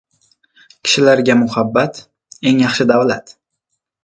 • Kishilarga muhabbat — eng yaxshi davlat.